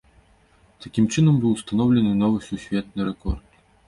Такім чынам быў устаноўлены новы сусветны рэкорд.